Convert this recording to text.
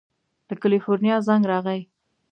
له کلیفورنیا زنګ راغی.